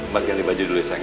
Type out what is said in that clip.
mas ganti baju dulu sayang